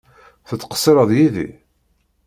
Tettqeṣṣireḍ yid-i?